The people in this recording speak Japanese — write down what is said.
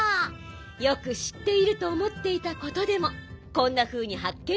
よくしっているとおもっていたことでもこんなふうにはっけんがあります。